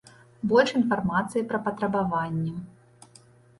Больш інфармацыі пра патрабаванні.